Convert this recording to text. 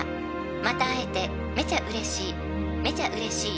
「また会えてめちゃ嬉しいめちゃ嬉しい」